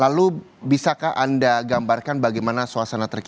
lalu bisakah anda gambarkan bagaimana suasana terkini